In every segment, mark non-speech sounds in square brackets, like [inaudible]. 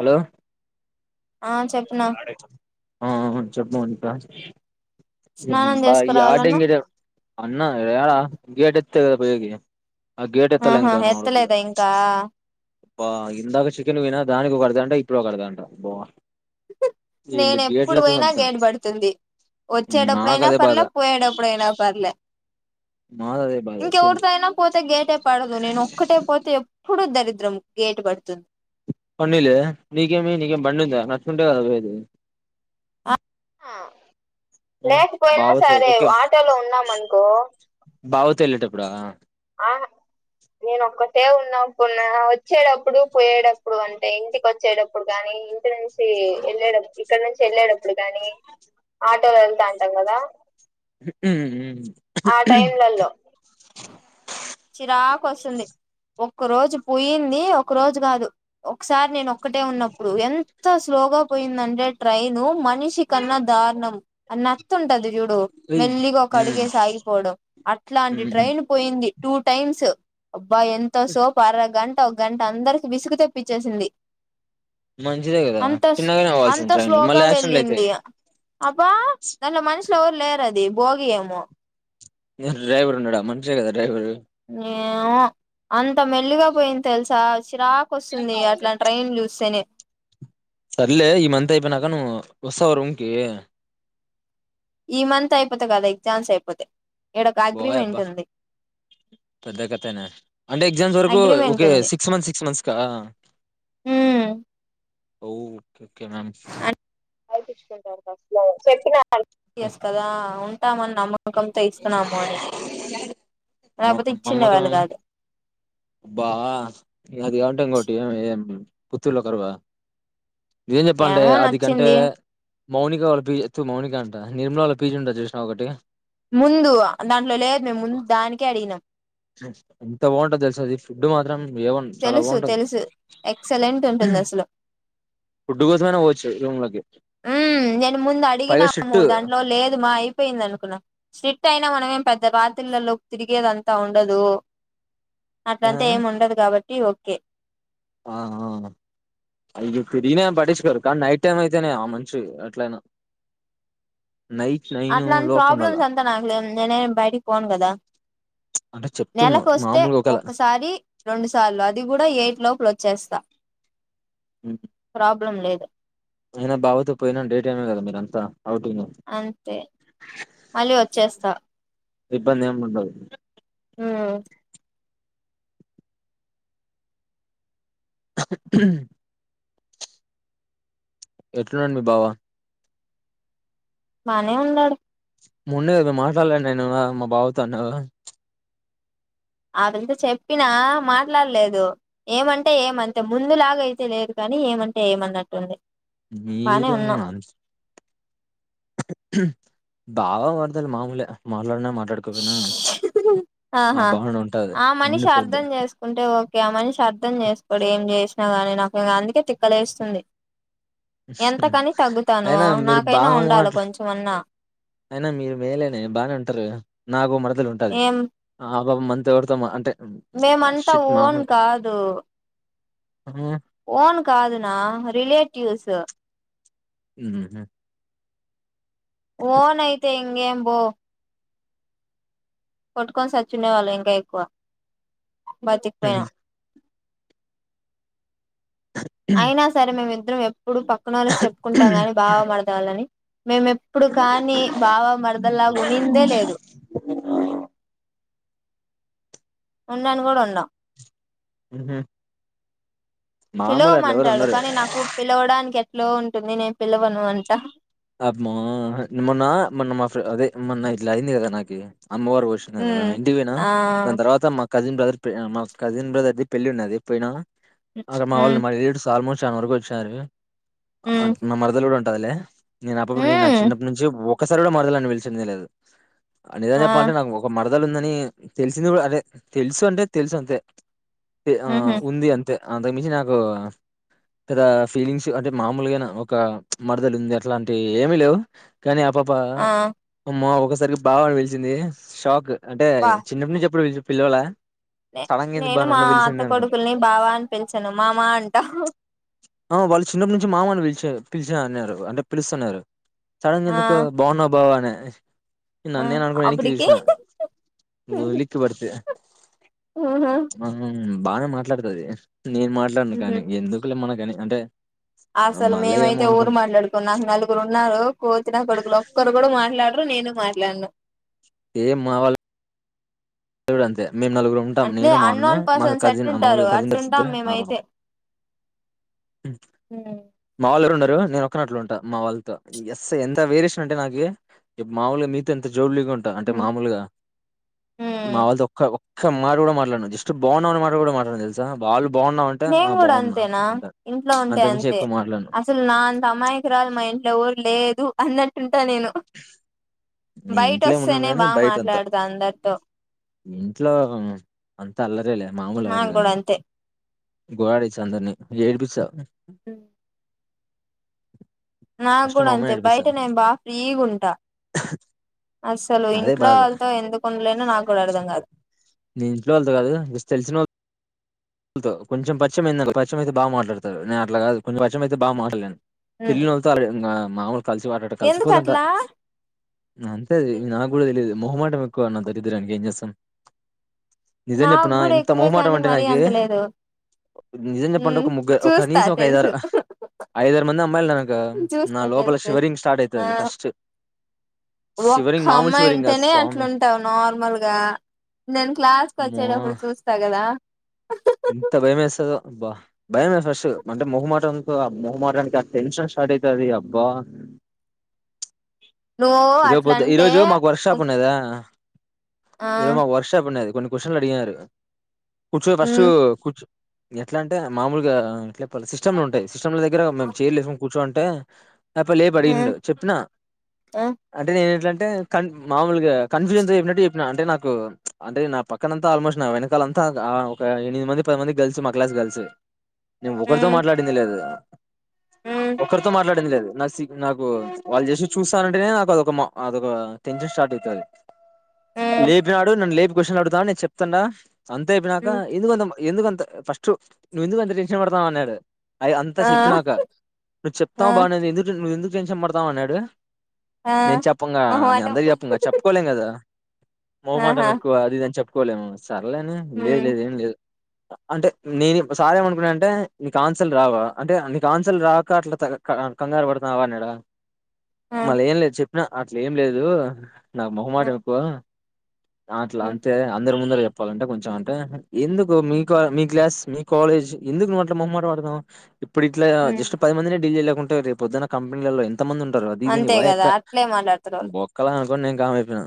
Hello ఆ చెప్పిన ఆ చెప్పు మౌనిక స్నానం బా ఈ చేసుకురావాలన్నా ఆటంగ అన్నడా గేట్ ఎత్తిపోయేకి ఆ గేట్ ఎత్తాల ఆహా ఇంక ఎత్తలేదా ఇంకా [unintelligible] ఇందాక చికెన్ పోయిన దానికి ఒక అర్ధగంట ఇప్పుడు ఒక అర్ధగంట నేన ఎప్పుడు పోయినా గేట్ పడుతుంది నాకు ఒచ్చేడప్పుడైనా అదే బాధ పార్లే పోయేటప్పుడైన పర్లే నాది అదే బాధ సేమ్ ఇంకెవరితో అయినా పోతే గేటే పడదు నేను ఒక్కటే పోతే ఎప్పుడు దరి ద్రం గేటు పడుతుంది పన్నిలే నీకేమి నీకేం బండి ఉందా నడుచుకుంటే కదా పోయేది ఆ ఆ లేకపోయినా బావతో సరే ఓకే ఆటోలో ఉన్నాం అనుకో బావతో వెళ్ళేటప్పుడా ఆ నేను ఒకతే ఉన్నప్పుడు వచ్చేటప్పుడు పోయేటప్పుడు అంటే ఇంటికి వచ్చేటప్పుడు కాని ఇంటి నుం ఎళ్ళేటప్పు ఇక్కడ నుంచి వెళ్ళేటప్పుడు కాని ఆటోలో వెళ్తా అంటాం కదా ఆ టైంలలో చిరాకు వస్తుంది ఒక రోజు పుయింది ఒక రోజు కాదు ఒకసారి నేను ఒక్కటే ఉన్నప్పుడు ఎంత స్లోగా పోయిందంటే ట్రైన్ మనిషి కన్నా దారుణం అన్న తుంటది చూడు మెల్లిగ ఒక అడిగేసి ఆగిపోవడం అట్లాంటి ట్రైన్ పోయింది టూ టైమ్స్ అబ్బా ఎంతసేపు అరగం ఒక గంట అందరికి విసుగు తెప్పించేసింది మంచిదే కదా చిన్నగానే పోవాల్సింది అంత ట్రైన్లు స్లోగ మళ్ళీ యాక్సిడెంట్లు అయితాయి వెళ్ళింది అబా దాంట్లో మనుషుల ఎవరు లేరు అది బోగీ ఏమో ఎ డ్రైవరు ఉన్నడ మనిషే గదా డ్రైవరు ఏమో అంత మెల్లిగా పోయింది తెలుసా చిరాకు వస్తుంది అట్ల ట్రైన్ చూస్తేనే సర్లే ఈ మంత్ అయిపోయినాక నువ్ వస్తావ రూంకి ఈ మంత్ అయిపోతే కదా ఎగ్జామ్స్ అయిపోతే ఇక్కడ ఒక బాయ్ అగ్రిమెంట్ అబ్బా ఉంది పెద్ద కథనే అంటే ఎగ్జామ్స్ వరకు ఒకే ఒ సిక్స్ మంత్ సిక్స్ మంత్స్ కా హు ఒ కుంటారు [unintelligible] [unintelligible] లేకపోతే నమ్మకం ఇచ్చిండేవాళ్ళు కాదు బా అది కాకుంటే ఇంకోటి పుత్తూరులో కరువ నిజం చెప్పాలంటే ఏమో అది కంటే నచ్చింది మౌనిక వాళ్ళ పీజ్ తు మౌనిక అంటా నిర్మల వాళ్ళ పీజీ ఉంటాది చూసినావ ఒకటి ముందు దాంట్లో లేదు మేము ముందు దానికే అడిగినం ఎంత బాగుంటదో తెలుసా అది ఫుడ్డు మాత్రం మేవన్ చాలా తెలుసు బాగుంటది తెలుసు ఎక్సలెంట్ ఉంటుంది అసలు ఫుడ్డు కోసమైనా పోవ్వచ్చు రూమ్లకి ఊ నేను ముందు అడిగిన [inaudible] దాంట్లో లేదు మా అయిపోయింది అనుకున్నా స్ట్రిక్ట్ అయినా మనమేం పెద్ద రాత్రిలల్లో తిరిగేదంతా ఉండదు అట్లంతా ఆ ఏం ఉండదు కాబట్టి ఓకే ఆ హా అయ్యో తిరిగిన ఏం పట్టించుకోరు కానీ నైట్ టైం అయితేనే ఆ మంచు అట్లయినా అట్లాంటి లోపు ఉండాల ప్రాబ్లమ్స్ అంత నాక్లే నేనే బయటికి పోను కదా అంటే చెప్తున్నా నెలకొస్తే మామూలుగా ఒకలా ఒక్కసారి రెండు సార్లు అది గూడా ఎయిట్ లోపలో చేస్తా హ్మ్ ప్లమ్ లేదు అయినా బావతో పోయినా డే టైమే కదా మీరంతా ఔటింగ్ అంతే మళ్ళీ వచ్చేస్తా ఇబ్బంది ఏం ఉండదు ఉమ్ ఎట్లునడు మీ బావ బానే ఉన్నాడు మొన్నేగా మాట్లాడలే నేను మా బావతో అన్నావు ఆ వింత చెప్పినా మాట్లాడ్లేదు ఏమంటే ఏం అంతే ముందులాగ అయితే లేదు కా కనీ ఏమంటే ఏమన్నట్టుంది బానే మీరు ఉన్నాం మాన్స్ బావ వరదలు మాముూలే మాట్లాడినా మాట్లాడుకోపోయినా ఆ ఆహా బాండ్ ఉంటది ఆ మనిషి ఉండిపోద్ది అర్థం చేసుకుంటే ఓకే ఆ మనిషి అర్థం చేసుకోడు ఏం చేసు నాగాని నాకు అందుకే తిక్కలేస్తుంది ఎంతకని తగ్గుతానూ అయినా మీరు నాకైనా బాగా ఉండాలి మాట్లా కొంచెమన్నా అయినా మీరు మేలేనే బానే ఉంటారుగా నాకు మరదలు ఉంటాది ఏం ఆ బాబ మంతో ఎవడ్తో మీ అంతే మేమంతా ఓన్ కాదు ఊ ఓన్ కాదు నా రిలేటివ్స్ ఉహుహు ఓన్ ఐతే ఇంగేం బో కొట్టుకోని సచ్చుండే వాళ్ళు ఇంకా ఎక్కువ బతిక్పోయా హ్మ్. అయినా సరే మేమిద్దరం ఎప్పుడు పక్కనోళ్ళకి చెప్పుకుంటాం గాని బావా మరదళ్ళని మేము ఎప్పుడు కానీ బావ మరదల్లాగ ఉండిందే లేదు [inaudible] ఉండని గూడా ఉండ ఉహు పిలవమంటాడు కానీ నాకు పిలవడానికె లో ఉంటుంది నేను పిలవను అంటా అబ్మో మొన్నా మొన్న మా ఫ్ర్ అదే మొన్న ఇట్లా అయింది గదా నాకి అమ్మవారు వోశినార్ గదా మ్మ్ ఇంటి వొయినా ఆ దాని తర్వాత మా కజిన్ బ్రదర్ ప్రె అ మా కజిన్ బ్రదర్ ది పెళ్లి ఉన్నది పోయినా ఆడ మా వాళ్ మ్మ్ మా [unintelligible] స్ ఆల్మో చాం వరకు వచ్చారు మ్మ్ నా మరదలు గూడా ఉంటాదిలే నేను అప్పుడు గూ నే నా మ్మ్ చిన్నప్పటి నుంచి ఒక్కసారి గూడా మరదలని పిలిచిందే లేదు, అ నిదం ఆ చెప్పాలంటే నాకు ఒక మర్. దలు ఉందనీ తెలిసింది గూడా అదే తెలుసు అంటే తెలుసు అంతే ఆ మ్హూ ఉంది అంతే అంతకుమించి నాకూ పెద్ద ఫీలింగ్స్ అంటే మామూలుగానె ఒక మరదలు ఉంది అట్ ట్లాంటివి ఏమీ లేవు కానీ ఆ పప ఆ అమ్మ ఒకస్ సరి బావ అని విల్చిందీ షాక్ అంటే చిన్నప్పట్నుంచి ఎప్పుడు పి పిలవలా నేనూ మా అత్త కొడుకుల్ని బావా అని పిలిచను మామా అంటా ఆ వాళ్ళు చిన్నప్పటి నుంచి మామని పిలిచారు పిలిచా అన్నారు అంటే పిలుస్తున్నారు సడన్గా ఆ ఎందుకు బాగున్నా బావ అనే ఆ నన్నేన్ అన్క ఎనకి అప్పటికి తీశణలిక్ బర్తే అవునా బాగానే మాట్లాడుతుది నేను మాట్లాడను మ్హూ కానీ ఎందుకులే మన కాని అంటే అసలు మళ్ళా ఏమో మేమైతే ఊరు అనుకుంటా. మాట్లాడుకున్నా నలుగురు ఉన్నారు కోచిన కొడుకులు ఒక్కరు కూడా మాట్లాడరు నేను మాట్లాడను ఏం మావళ [unintelligible] అంతే మేం నలుగురు ఉంటాం అంటే నేను మా అన్న అన్నోన్ మా పర్సన్స్ కజిన్ ఎట్టుంటారు కజిన్ అట్టుంటాం [unintelligible] మేమైతే ఉమ్ మ్మ్ మావాళ్ళెవరు ఉండ్ రు నేను ఒక్కనే అట్ల ఉంటా మా వాళ్ళతో ఎస్ ఎంత వేరియేషన్ అంటే నాకు మా వాళ్ళు మీతో ఎ జౌల్గా ఉంటా అంటే మామూలుగా మ్మ్ మా వాళ్ళతో ఒక్క ఒక్క మాట కూడా మాట్లాడను జస్ట్ బాగున్నావా అన్న మాట కూడా మాట్లాడను తెల్స వాలు నేను కూడా అంతేనా ఇంట్లో ఉంటే అంతకుమించి అంతే ఎక్కువ మాట్లాడను అసలు నా అంత అమాయకురాలు మా ఇంట్లో ఎవరు లేదు అన్నట్టు ఉంటా నేను నేను ఇంట్లో ఉన్నాను బయటొస్తేనే గాని బా బయట అంతా మాట్లాడతా అందరితో ఇంట్లో అంతా అల్లరేలే మామూలు అల్లరి నాకు కూడా కాదు అంతే గోడారిస్తా అందరినీ ఏడిపిస్తా ఉమ్ ఫస్ట్ నాగూడా మా అమ్మని అంతే ఏడిపిచ్చా బయట నేను బా ఫ్రీగుంటా [inaudible] అసలు ఇంట్లో వాళ్ళతో ఎందుకు ఉండలేను నాకు కూడా అర్థం కాదు నే ఇంట్లో వాళ్ళదు కాదు జస్ తెలిసిన వాళ్ కొంచెం పరిచయమైందానుకో పరిచయం అయితే బా మాట్లాడతారు నేను అట్ల కాదు కొంచం పరిచయం అయితే బా మాట్లాడలేను తెలినోళ్లతో అలా ఇంగ మామూలు కలిసిపోట [unintelligible] ఎందుకు కలిసిపోదంట అట్లా అంతే నాకు కూడా తెలిదు మొహమాటం ఎక్కువ నా దరిద్రానికి ఏం చేస్తాం నిజం నాకు చెప్పనా కూడా ఎంత ఎక్కువే మోహమాటం కానీ అంటే మరీ నాకి అంత లేదు నిజం చెప్పంటే ఒక ముగ్గురు ఒక చూస్తా కనీసం ఒక ఐదు తెలుసు ఆరు ఐదు ఆరు మంది అమ్మాయిలు నాకు కు నా చూస్తా లోపల తెలుసు తెలుసు శివరింగ్ స్టార్ట్ అయితది ఆ ఫస్ట్ ఒక్క షివరింగ్ మామూలు అమ్మాయి షివరింగ్ కాదు అంటేనే స్వామి అట్లుంటావు నార్మల్గా నేను క్లాస్కి వచ్చేటప్పుడు చూస్తా కదా ఇంత భయం ఎస్తుందో బ భయంమే ఫస్ట్ అంటే మొహమాట మొహమాటానికి టెన్షన్ స్టార్ట్ అయితది అబ్బా [inaudible] నువ్వు అట్లా ఇరోపోద్దు అంటే ఈరోజు మాకు వర్క్ షాప్ ఉన్నాదా ఆ ఈ రోజు మాకు వర్క్ షాప్ ఉన్నాది కొన్ని క్యూషన్లు అడిగారు చు మ్ కూర్చు ఎట్లా అంటే మామూలుగా ఇట్ల కొన్ని సిస్టమ్ లు ఉంటాయి సిస్టమ్ల దగ్గర మేము చైర్లు ఎస్ కూర్చోంటే అయ్యప్ప లేపి అడిగిండు మ్ చెప్పిన మ్ అంటే నేను ఎట్లా టె కన్ మామూలుగా కన్ఫ్యూజన్ తో చెప్పినట్టు చెప్పిన అంటే నాకు అంటే నా పక్కనంతా ఆల్మోస్ట్ నా వెనకాల అంతా ఒక ఎనిమిది మంది పదిమంది గర్ల్స్ మా క్లాస్ గర్ల్స్ నేను ఒకరితో మాట్లాడింది లేదు మ్ ఒకరితో మాట్లాడింది లేదు నాకు సిగ్ నాకు వాళ్ళు జస్ట్ చూస్తానంటేనే నాకు అదొక అదొక టెన్షన్ స్టార్ట్ అవుతది మ్ లేపీనాడు నన్ను లేపు క్వశ్చన్లు అడుగుతున్నాడు నేను చెప్తాన్నా అంతే కా ఇంకా మ్ ఎందుకుంత ఎందుకుంత ఫస్ట్ నువ్వు ఎందుకు అంత టెన్షన్ పడతాం అన్నాడు అయి అంతా ఆ చెప్పినాక నువ్వు ఆ చెప్తావు బాగానేది ఎందుకు నువ్వు ఎందుకు టన్షన్ పడతావు అన్నాడు ఆ నేను చెప్పంగా నేను మొహమాటం అందరి చెప్పంగా చెప్పుకోలేం కదా మోహమాటం ఆహా ఎక్కువ అది ఇది అని చెప్ చెప్పుకోలేం సరేలే లేదు మ్ లేదు ఏం లేదు అంటే నేనేం సారేం అనుకున్నాడంటే నీకు ఆన్సర్లు రావ అంటే నీకు ఆన్సర్లు రాక అట్ల తక కంగారు పడుతున్నావా అన్నాడ ఆ మళ్ళ ఏం లేదు చెప్పిన అట్లా ఏం లేదు నాకు మొహమాటం ఎక్కువ అట్లా మ్ అంతే అందరు ముందర చెప్పాలంటే కొంచెం ఎందుకు మీక మీ క్లాస్ మీ కాలేజ్ ఎందుకు నువట్ల మొహమాటం పడతన్నవ్ ఇప్పుడు ఇట్లా మ్ జస్ట్ పది మందినే డీల్ చేయలేకుంటే రేపొదున్న కంపెనీలల్ల ఎ ఎంతమంది ఉంటారు అది ఇది అంతే ఓ కదా చెప్పా అట్లే మాట్లాడతారు వాళ్ళు బోక్కలా కొని నేను కామైయిపోయినా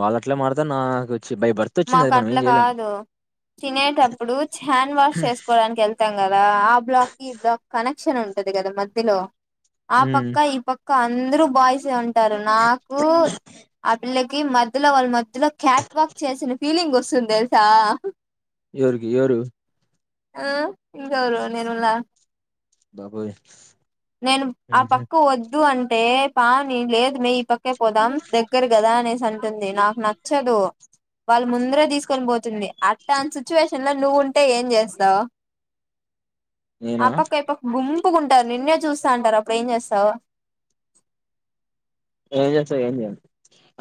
వాళ్ళ ట్లే మాట్లాడతారు నాకు వచ్చి బై బర్ మాకు అట్లా కాదు తినేటప్పుడు హ్యాండ్ వాష్ చేసుకోవడానికి వెళ్తాం కదా ఆ బ్లాక్ ఈ బ్లాక్ కనెక్షన్ ఉం టది కదా మధ్యలో ఆ హ్మ్ పక్క ఈ ప క్క అందరు బాయ్స్ సే ఉంటారు నాకు ఆ పిల్లకి మధ్యలో వాళ్ళు మ ధ్యలో క్యాట్ వాక్ చేసిన ఫీలింగ్ వస్తుంది తెలుసా ఎవరికి ఎవరు ఆ ఇంకావరు నేనుల బబోయి నేను ఆ పక్క వద్దు అం టే పా నేను లేదు మే ఇ పక్కే పోదాం దగ్గర కదా అనేసి అంటుంది నాకు నచ్చదు వాళ్ళు ముందరే తీసుకొని పోతుంది అట్టంటి సిచ్యువేషన్ లో నువ్వు ఉంటే ఏం చేస్తావు ఆ నేనా పక్క ఇ పక్క గుంపుకుంటారు నిన్నే చూస్తా అంటారు అప్పుడు ఏం చేస్తావు ఏం చేస్త ఏం చేయను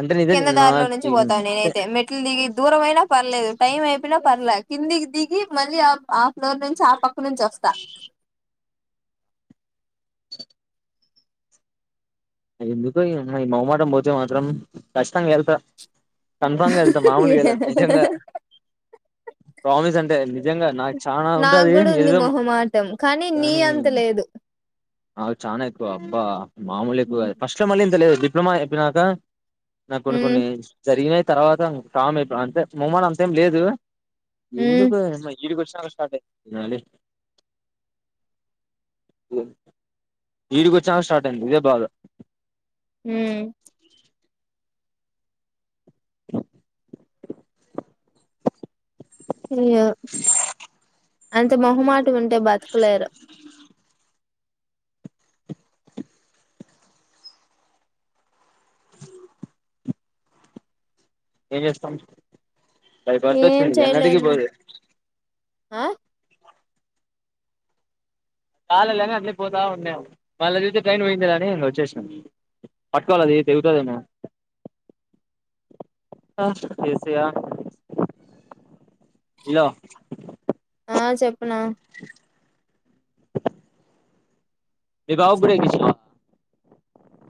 అంటే నిజం కింద దారిలో నుంచి నాకి పోతా నేనైతే మెట్లు దిగి దూరం అయినా పర్లేదు టైం అయిపోయినా పర్లే కిందికి దిగి మళ్ళీ ఆ ఆఫ్లోర్ నుంచి ఆ పక్క నుంచి వస్తా ఎందుకో ఇఆమ్మాయి మోహమాటం పోతే మాత్రం కచ్చితంగా ఏళ్త కన్ఫామ్ గా వెళ్తా మామూలుగా ఎళ్ళను నిజంగా ప్రామిస్ అంటే వెళ్ళి నిజంగా నాకు చానా నాకు ఉంటాది కూడా ఉంది ఎదేదొ మా మొహమాటం నీ కానీ అంత లేదు నాకు చానా ఎక్కువ అబ్బా మామూలు ఎక్కువ కాదు ఫస్ట్ ల మళ్ళీ ఇంత లేదు డిప్లొమా అయిపోయినాక నాకు కొన్ని ఉమ్ కొన్ని జరిగినయి తర్వాత కామ్ అయిపోయాం అంతే మోమటం అంతేం లేదు ఉమ్ ఎందుకు ఏమ్మ ఈడికొచి స్టార్ట్ అయింది ఈడికి వచినక స్టార్ట్ అయింది ఇదే బాధ హ అయ్యో అంత మొహమాటం ఉంటే బతకలేరు అ ఏం చేస్తం బై బర్త్ ఏం అచ్చింది ఎన్నటికి చేయలేను పోదు ఆ కాల్ ఎల్లంగానే అట్లే పోతా ఉన్నా మళ్ళ చూసే ట్రైన్ పోయింది కదాని వచ్చేసినా పట్టుకోవాలది తెగుతదే మో అబ్బ ఎసయా ఇగో ఆ చెప్పనా మీ బావకు కూడా ఎక్కించినవా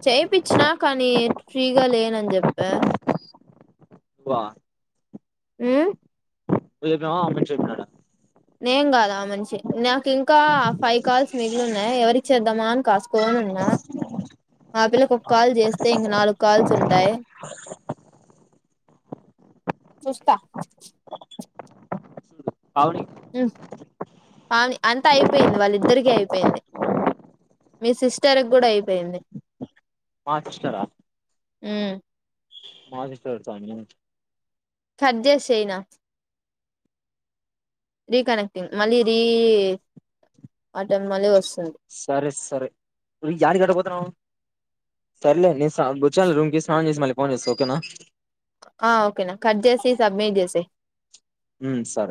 చెపిచ్చినా కానీ ఫ్రీగా లేనని చెప్పా వా ఆ ఏదొ అమ చెప్ప నేం కాదా ఆ మనిషి నాకు ఇంకా ఫైవ్ కాల్స్ మిగిలిన్నాయి ఎవరిచ్చద్దామా అని కాస్ ఫన్న్నా ఆ పిల్లకి ఒక కాల్ చేస్తే ఇంక నాలుగు కాల్ చుంటాయి చుస్త అవుడి ఫమి అంతా అయిపోయింది వాళ్ళిద్దరిక అయిపోయింది మీ సిస్టర్కి కూడా అయిపోయింది మాసిస్తార ఆ మాదిస్ చ అ సర్జస్ట్ చేయినా రీకనెక్టింగ్ మళ్ళీ రీ ఆటమ్ మళ్ళీ వస్తుంది సరే సరే ను నికి గట్టపోతున్నావు సరేలేదు నేను కూర్చాను రూమ్కి స్నాన చేసి మళ్ళీ ఫోన్ చేస్తాను ఓకేనా ఆ ఓకేనా కట్ చేసి సబ్మిట్ చేసేయ్ సరే